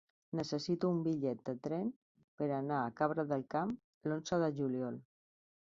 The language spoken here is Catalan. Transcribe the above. Necessito un bitllet de tren per anar a Cabra del Camp l'onze de juliol.